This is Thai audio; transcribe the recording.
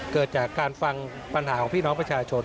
เกิดจากการฟังปัญหาของพี่น้องประชาชน